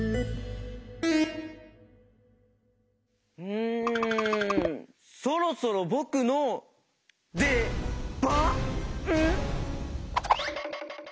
うんそろそろぼくのでばん？